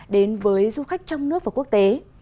đến với du khách trong nước và quốc tế